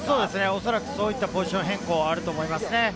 おそらく、そういったポジション変更があると思います。